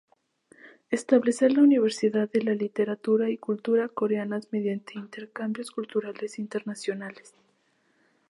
Establecer la universalidad de la literatura y cultura coreanas mediante intercambios culturales internacionales.